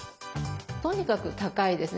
とにかく高いですね。